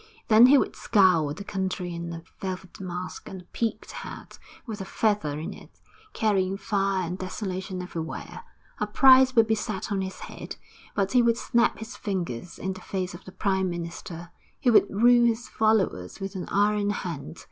Then he would scour the country in a velvet mask and a peaked hat with a feather in it, carrying fire and desolation everywhere. A price would be set on his head, but he would snap his fingers in the face of the Prime Minister. He would rule his followers with an iron hand.